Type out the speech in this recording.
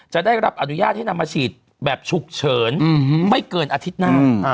ได้รับอนุญาตให้นำมาฉีดแบบฉุกเฉินไม่เกินอาทิตย์หน้า